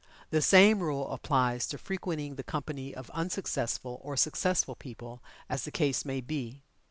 The same rule applies to frequenting the company of unsuccessful or successful people, as the case may be.